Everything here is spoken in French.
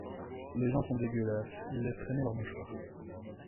Les gens sont dégueulasse: ils laissent traîner leurs mouchoirs...